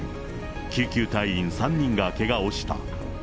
救急隊員３人がけがをした。